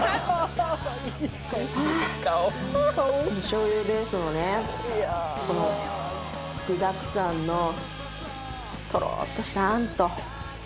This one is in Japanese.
しょうゆベースのねこの具だくさんのとろっとしたあんと。